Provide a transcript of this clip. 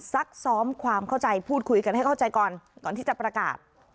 ซักซ้อมความเข้าใจพูดคุยกันให้เข้าใจก่อนก่อนที่จะประกาศ